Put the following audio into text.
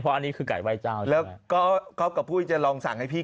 เพราะอันนี้คือไก่ไว้จะเข้าแล้วก็พูดจะลองสั่งให้พี่